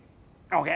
ＯＫ。